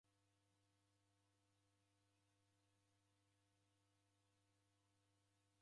Washomie mpaka ukavikia kileri.